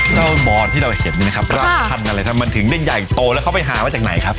เจ้าบอร์นที่เราเห็นดินะครับครับคันอะไรครับมันถึงได้ใหญ่โตแล้วเขาไปหาไว้จากไหนครับ